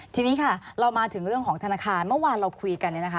ทีนี้ค่ะเรามาถึงเรื่องของธนาคารเมื่อวานเราคุยกันเนี่ยนะคะ